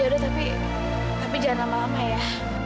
ya udah tapi jangan lama lama ya